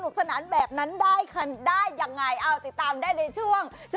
เก็บไว้ในกระปุ่นแก้ว